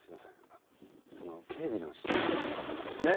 あのその警備の下見をしたくてですね。